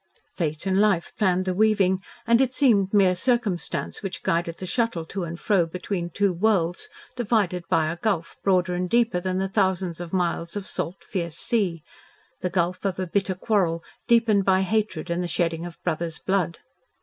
Fate and Life planned the weaving, and it seemed mere circumstance which guided the Shuttle to and fro between two worlds divided by a gulf broader and deeper than the thousands of miles of salt, fierce sea the gulf of a bitter quarrel deepened by hatred and the shedding of brothers' blood.